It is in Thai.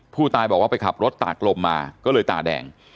ผู้ตายบอกว่าไปขับรถตากลมมาก็เลยตาแดง